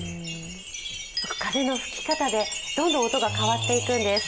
風の吹き方でどんどん音が変わっていくんです。